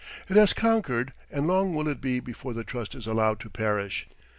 It has conquered, and long will it be before the trust is allowed to perish!